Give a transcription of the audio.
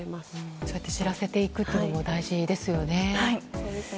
そうやって知らせていくのも大事ですよね。